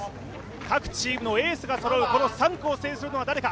各チームのエースがそろう３区を制するのは誰か。